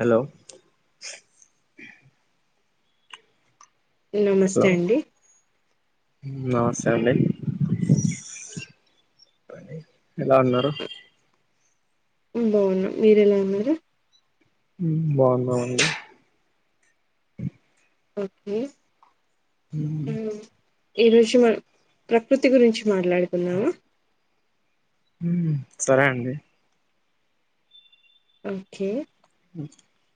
Hello hello నమస్తే అండి నమస్తే అండి ఎలా ఉన్నారు బావున్నం మీరు ఎలా ఉన్నారు బావున్నం అండి ఓకే ఈ రోజు వ ప్రకృతి గురించి మాట్లాడుకుందామ మ్ సరే అండి ఓకే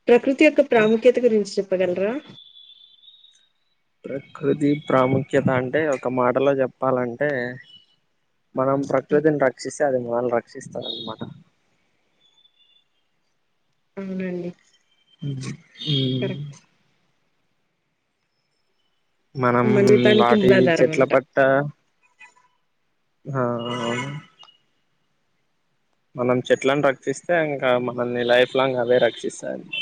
ప్రకృతి యొక్క ప్రాముఖ్యత గురించి చె ప్పగలరా ప్రకృతి ప్రాముఖ్యత అంటే ఒక మాటలో చెప్పాలంటే మనం హ్మ్. ప్రకృతిని రక్షిస్తే అది మనల్ని రక్షిస్తారన్నమాట అవునండి కరెక్ట్ మ్ మనం మన జీవితానికి వాటి మూలాధారం చెట్ల అంట పట్ట ఆ అవును మనం చెట్లను రక్షిస్తే ఇంకా మనల్ని లైఫ్ లాంగ్ అవే రక్షిస్తాయిన్నమా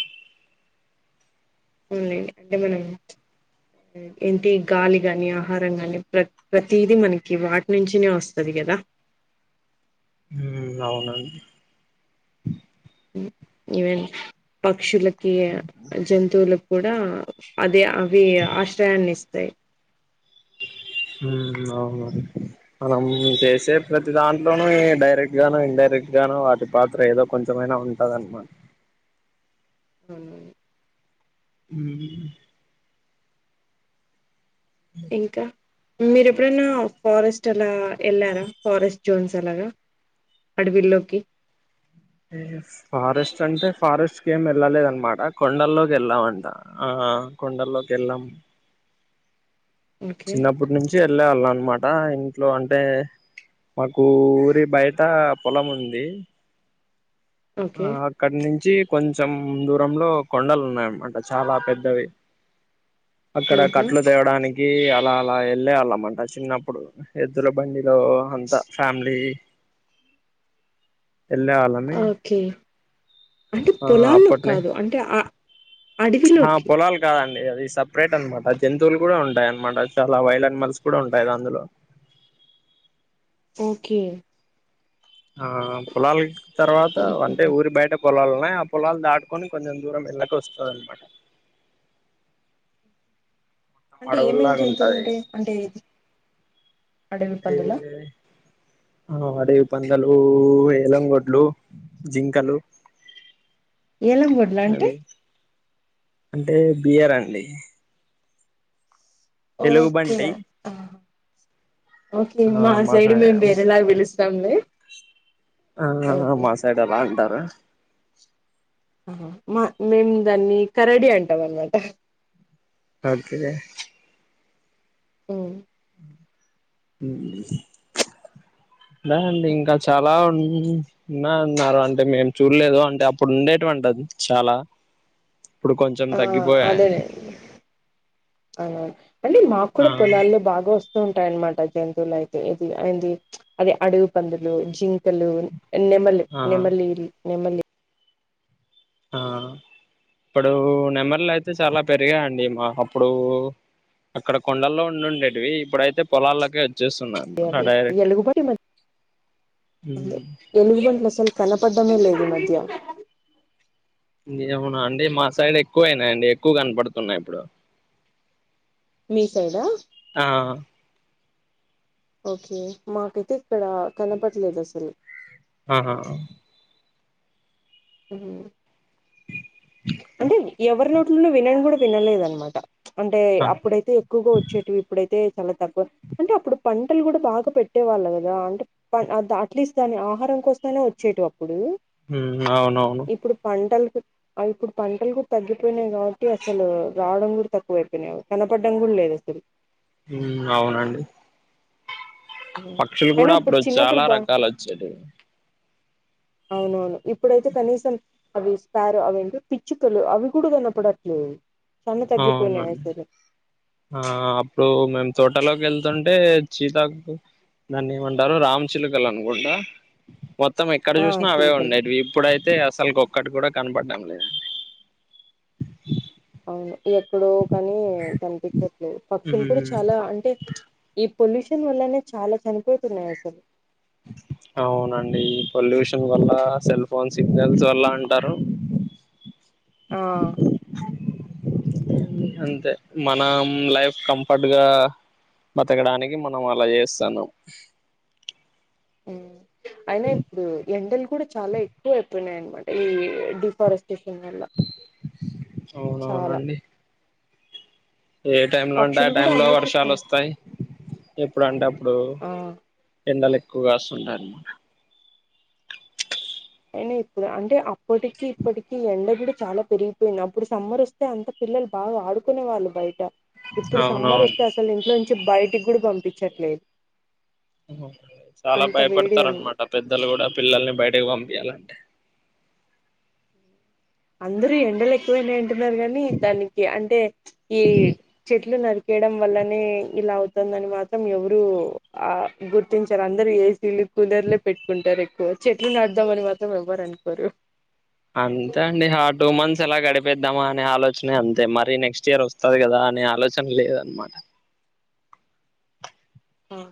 అవునండి అవే ఏంటి గాలి గాని ఆహారం గాని ప్ర ప్రతిది మనకి వాటి నించినే వస్తది కదా మ్ అవునండి ఈవెన్ పక్షులకి జంతువులకు కూడా అది అవి ఆశ్రయాన్ని ఇస్తాయి అవును అండి మనం చేసే ప్రతి దాంట్లోనూ డైరెక్ట్ గాన ఇడైరెక్ట్ గానో వాటి పాత్ర ఏదో కొంచెమైనా ఉంటదనమాట అవునండి మ్ ఇంకా మీరు ఎప్పుడన్నా ఫారెస్ట్ అలా ఎళ్లారా ఫారెస్ట్ జోన్స్ అలాగా అడవిల్లోకి ఫారెస్ట్ అంటే ఫారెస్ట్ కి ఏం వెళ్ళలేద అన్నమాట కొండల్లోకి వెళ్ళావంట ఆ కొండల్లోకి ఎళ్ళం ఓకే చిన్నప్పటి నుంచి ఎళ్ళే వాళ్ళం అనమాట ఇంట్లో అంటే మాకు ఊరి బయట పొలం ఉంది ఆ ఓకే అక్కడ నించి కొంచెం దూరంలో కొండలు ఉన్నాయన్నమాట చాలా పెద్దవి అక్కడ ఊహూ కట్లు తేవడానికి అలా అలా ఎళ్ళే వాళ్ళమంట చిన్నప్పుడు ఎద్దుల బండి లో అంత ఫ్యామిలీ ఎళ్ళె వాళ్ళమి ఓకే అంటే పొలాల్లో అప్పట్నే కాదు అంటే అ ఆ అడవిలోకి పొలాలు కాదండి లేదు సెపరేట్ అనమాట జంతువులు కూడా ఉంటాయి అనమాట చాలా వైల్డ్ యానిమల్స్ కూడా ఉంటాయి అందులో ఓకే ఆ పొలాల తర్వాత హ్మ్. అంటే ఊరి బయట పొలాలున్నాయి ఆ పొలాలు దాటుకొని కొంచెం దూరం వెళ్ళక వస్తుంద అనమాట అంటే ఏమేం అడవుల్లాగా జంతువులు ఉంటయి ఉంటాయి అంటే ఇది అడవి ఎంటే పందులా ఆ అడవి పందలు ఏలంగొడ్లు జింకలు అ ఏలంగూడ్లా అంటే అంటే బియర్ అండి ఓకే ఎలుగుబంటి ఓకే ఆ మా సైడ్ సై మేం వేరేలాగా పలుస్తం చడి ఆ మా సైడ్ ఎలా అంటారు ఆ మా మేము దాన్ని కరడీ అంటాం అన్నమాట భర్గే అ హ అా అండి ఇంకా చాలా ఉ ఉన్నా ఉన్నారు అంటే మేము చూడలేదు అంటే అప్పుడు ఉండేటువంటిది చాలా ఇప్పుడు కొంచెం ఆ తగ్గిపోయా అదేలేండి అవునవును అంటే మాకు కూడా పొలాల్లో బాగా వస్తుంది వ ఉంటాయన్నమాట జంతువులు అయితే ఇది అయిది అది అడగు పందులు జింకలు నెమ్మల్ ఆ నెమలి ఇల్ నెమలి ఆ ఇప్పుడు నెమర్లు అయితే చాలా పెరిగా అడి మా అప్పుడు అక్కడ కొండల్లో ఉంండేవి ఇప్పుడైతే పొలాల్లోకే వచ్చేస్తున్నాయి అ అన్నమాట అవిే డైరెక్ట్ ఎలుగు పడి మరి ఎలుగు పంటలు అసలు కనపడ్డమే లేదు మధ్య ఏవునా అండి మా సైడ్ ఎక్కువయినాయంండి ఎక్కువ కనపడుతున్నాయి ఇప్పుడు మీ సైడ్ ఆ ఓకే మాకైతే ఇక్కడ కనపడలేదు అసలు ఆహా అంటే ఎవరి లోట్లన వినని కూడా వినలేద అనమాట అంటే అప్పుడైతే ఎక్కువగా వచ్చేటివి ఇప్పుడైతే చాలా తక్కువ అంటే అప్పుడు పంటలు కూడా బాగా పెట్టే వాళ్ళు కదా అంటే అట్లీస్ట్ దాని ఆహారం వస్తమనే వచ్చేటటు అప్పుడు అవునవును ఇప్పుడు పంటలకు ఇప్పుడు పంటలు కూడా తగ్గిపోయినాయి కాబట్టి అసలు రావడం కూడా తక్కువైపోయినాయి కనపడ్డం కూడా లేదా సరి అవునండి పక్షులు అయినా కూడా అప్పుడు చిన్నప్పుడు చాలా బా రకాలు వచ్చాయి [inaudible] అవునవును ఇప్పుడైతే కనీసం అవి స్పారో అవింటే పిచ్చుకలు అవి కూడా కానప్పుడ అట్లేదు అవునండి ఆ అప్పుడు మేము తోటలోకి వెళ్తా అంటే చీతకు దన్న ఏమంటారు రామ్ చిలుకలు అనుకుంటా మొత్తం ఎక్కడ ఆ చూసినా అవే చిలుకలు ఉండేవి ఇప్పుడుైతే అసలు గొక్కటి కూడా కనపట్నం లే వు ఎక్కడో కానీ కనిపించట్లే పక్షులు కూడా ఉమ్ చాలా అంటే ఈ పొల్యూషన్ వల్లనే చాలా చనిపోతున్నాయి అసలు [inaudible] అవునండి పొల్యూషన్ వల్ల సెల్ ఫోన్ సిగ్నల్స్ వల్ల అంటారు [inaudible] ఆ అంతే మనం లైఫ్ కంఫర్ట్గా బతకడానికి మనం అలా చేస్తాన్నాం అ అయినా ఇప్పుడు ఎండలు కూడా చాలా ఎక్కువ అయిపోయినాయి అనమాట ఈ డిఫారెస్ట్ టిఫిన్ వల్ల చాలా అవునవునండి ఏ టైమ్ లో ఉంటే పక్షులు ఆ కూడా టైమ్ లో అందుకే వర్షాలు చ- వస్తాయి ఎప్పుడు అంటే అప్పుడు ఆ ఎండలు ఎక్కువ గాసుంటాయి అనమాట అయినా ఇప్పుడు అంటే అప్పటికి ఇప్పటికి ఎండ కూడా చాలా పెరిగిపోయింది అప్పుడు సమ్మర్ వస్తే అంత పిల్లలు బాగా ఆడుకునే వాళ్ళు బయట ఇప్పుడు సమ్మర్ అవునవును వస్తే అసలు ఇంట్లో నుంచి బయటికి కూడా పంపించట్లేదు చాలా అంత వేడి భయపడతారు ఉంది అనమాట పెద్దలు కూడా పిల్లల్ని బయటకి పంపి యాలంటే అందరూ ఎండలు ఎక్కువైనాయి అంటున్నారు కాని దానికి అంటే ఈ చెట్లు నరికే యడం వల్లనే ఇలా అవుతుందని మాత్రం ఎవరు ఆ గుర్తించారు అందరు ఏసీలు కూలర్లే పెట్టుకుంటారు ఎక్కువ చెట్లు నాటుదామని మాత్రం ఎవ్వరు అనుకోరు అంతే అండి ఆ టూ మంత్స్ ఎలా గడిపేద్దామా అనే ఆలోచనే అంతే మరి నెక్స్ట్ ఇయర్ వస్తుంది కదా అనే ఆలోచన లేదు అనమాట మ్మ్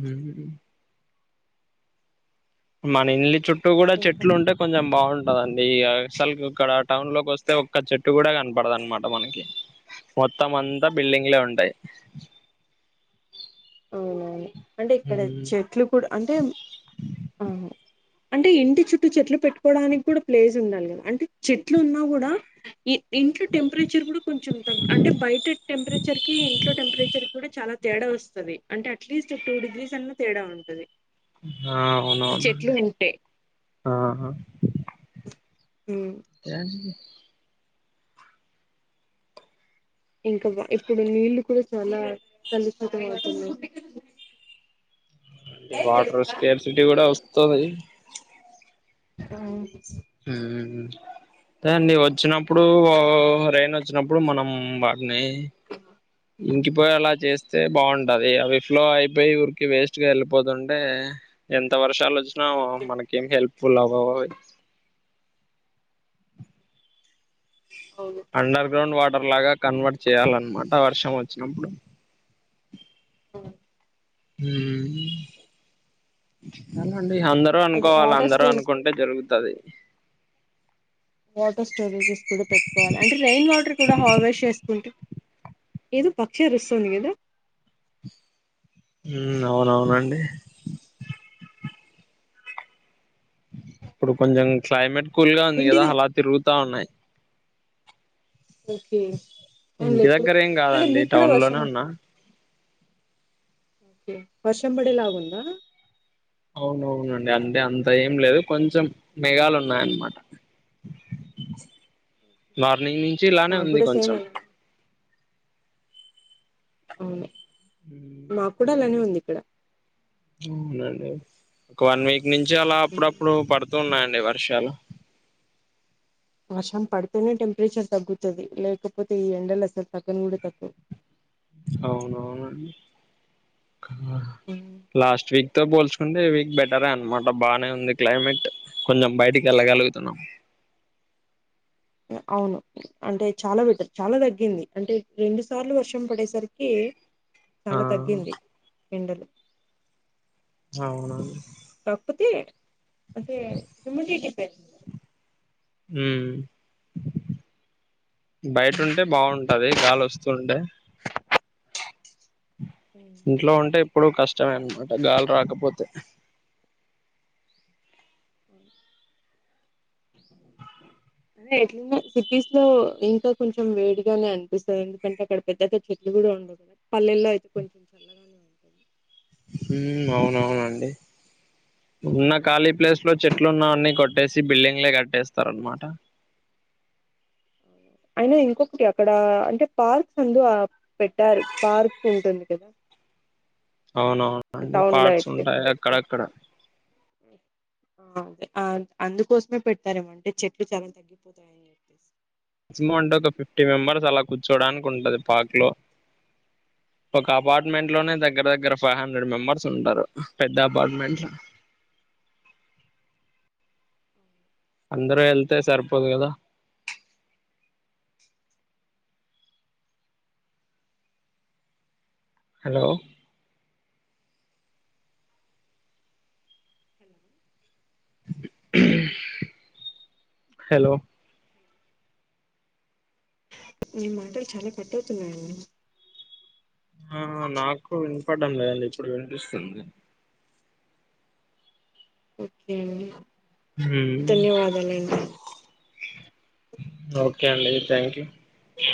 మ్మ్ మన ఇల్లి చుట్టూ కూడా ఇంకా చెట్లు ఉంటే కొంచెం బాగుం కదండీ అసలు ఇక్కడ టౌన్ లోకి వస్తే ఒక్క చెట్టు కూడా కనపడదనమాట మనకి మొత్తం అంత బిల్డింగ్ లే ఉంటాయి అవునవును అంటే ఇక్కడ చెట్లు కూడా అంటే అవును అంటే ఇంటి చుట్టూ చెట్లు పెట్టుకోవడానికి కూడా ప్లేస్ ఉండాలి కదా అంటే చెట్లు ఉన్నా కూడా ఈ ఇంట్లో టెంపరేచర్ కూడా కొంచెం తక్ అంటే బయట టెంపరేచర్ కి ఇంట్లో టెంపరేచర్ కి కూడా చాలా తేడా వస్తది అంటే అట్లీస్ట్ టూ డిగ్రీస్ అన్నా తేడా ఉంటది ఆ చెట్లు అవునవునాండి ఉంటే ఆ ఉమ్ [inaudible] ఇంకా ఇప్పుడు నీళ్లు కూడా చాలా కలుషత [inaudible] వాటర్ స్కేర్సిటీ కూడా వస్తుంది ఆ మ్మ్ అదండి వచ్చినప్పుడు రెయిన్ వచ్చినప్పుడు మనం వాటిని ఇంకిపోయి అలా చేస్తే బాగుంటది అవి ఫ్లో అయిపోయి ఊరికె వేస్ట్ గా వెళ్ళిపోతుంటే ఎంత వర్షాలు వచ్చినా మనకేం హెల్ప్ఫుల్ అవ్వవు అవి అవును అండర్ గ్రాండ్ వాట ర్ లాగా కన్వర్ట్ చేయాలన్నమాట వర్షం వచ్చినప్పుడు హ్మ్. మ్మ్ అందరు అదే అనుకోవాలి వాటర్ అందరరు స్టోరేజ్ అనుకుంటే జరుగుతది వాటర్ స్టోరేజెస్ కూడా పెట్టుకోవాలి అంటే రెయిన్ వాటర్ కూడా హార్వెస్ట్ చేసుకుంటే ఏదో పక్షి అరుస్తుంది కదా మ్మ్ అవునవునండి ఇప్పుడు కొంచెం క్లైమేట్ కూల్ గా ఉంది కదా వింటిది అలా తిరుగుతా ఉన్నాయి ఓకే అవునులే ఇంటి ఎప్పుడు దగ్గర ఏం అంటే కాదండి మీకు కూడా టౌన్ వర్షం లోనే ఉన్నా వర్షం పడేలాగుందా అవునవునండి అంటే అంత ఏం లేదు కొంచెం మేఘాలు ఉన్నాయన్నమాట మార్నింగ్ నుంచి ఇలానే మాకు ఉంది కూడా సేమ్ కొంచెం అలా అవును మాకు కూడా అలానే ఉంది ఇక్కడ అవునండి ఒక వన్ వీక్ నుంచి అలా హ్మ్. అప్పుడప్పుడు పడుతున్నాయండి వర్షాలు వర్షం పడితేనే టెంపరేచర్ తగ్గుతుంది లేకపోతే ఈ ఎండలు అసలు తగ్గని కూడా తగ్గవు అవునవును హ్మ్. లాస్ట్ వీక్ తో పోల్చుకుంటే ఈ వీక్ బెటరే అనమాట బాగానే ఉంది క్లైమేట్ కొంచెం బయటికి వెళ్ళగలుగుతున్నాం అవును అంటే చాలా బెటర్ చాలా తగ్గింది అంటే రెండు సార్లు వర్షం పడేసరికి కి ఆ చాలా తగ్గింది ఎండలు అవును రాకపోతే రాక సుమతి బయటంటే బాగుంటది గాలి వస్తుంటే హ్మ్. ఇంట్లో ఉంటే ఎప్పుడు కష్టమే అనమాట గాలి రాకపోతే అవు [unintelligible] [inaudible] అదే ఎట్ సిటీస్ లో ఇంకా కొంచెం వేడిగానే అనిపిస్తుంది ఎందుకంటే అక్కడ పెద్ద చెట్లు కూడా ఉండవు కదా పల్లెల్లో అయితే కొంచెం ఉంటుంది ఉం అవునవునండి ఉన్న ఖాళీ ప్లేస్ లో చెట్లు ఉన్నవన్నీ కొట్టేసి బిల్డింగ్లే కట్టేస్తారు అనమాట అయినా ఇంకొకటి అక్కడ అంటే పార్క్ అందు పెట్టారు పార్క్ ఉంటుంది కదా అవునవునండి టౌన్ లో పార్ట్స్ ఉంటాయి అక్కడక్కడ ఉ అదే అందుకోసమే పెతారేమంటే చెట్లు మజమో అంటే ఒక ఫిఫ్టీ మెంబర్స్ అలా కూర్చోడానికి ఉంటుంది పాక్ లో ఒక అపార్ట్మెంట్ లోనే దగ్గర దగ్గర ఫైవ్ హండ్రెడ్ మెంబర్స్ ఉంటారు పెద్ద అపార్ట్మెంట్ లో [unintelligible] అందరు వెళ్తే సరిపోదు కదా హలో హలో హలో నే మాటలు చాలా పట్టవుతున్నా ఆ నాకు వినిపడం లేదండి ఇప్పుడు వినిపిస్తుంది ఓకే అండి ధన్యవాదాలండి ఓకే అండి థ్యాంక్ యూ అ